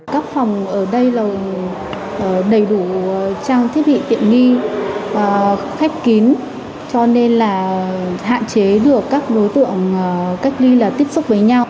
các phòng ở đây là đầy đủ trang thiết bị tiện nghi khép kín cho nên là hạn chế được các đối tượng cách ly là tiếp xúc với nhau